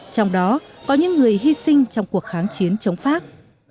trong đó có những người hy sinh trong cuộc kháng chiến chống pháp